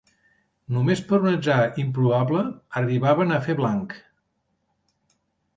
Només per un atzar improbable arribaven a fer blanc